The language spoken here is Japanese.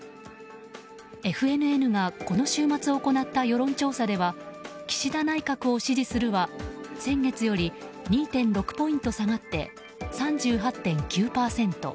ＦＮＮがこの週末行った世論調査では岸田内閣を支持するは先月より２．６ポイント下がって３８．９％。